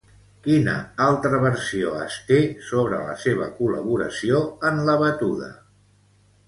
Quina altra versió es té sobre la seva col·laboració en la batuda?